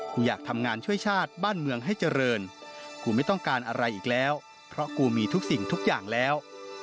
กูอยากทำงานช่วยชาติบ้านเมืองให้เจริญกูไม่ต้องการอะไรอีกแล้วเพราะกูมีทุกสิ่งทุกอย่างแล้ว